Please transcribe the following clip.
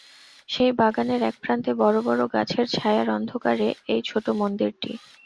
সেই বাগানের এক প্রান্তে বড়ো বড়ো গাছের ছায়ার অন্ধকারে এই ছোটো মন্দিরটি।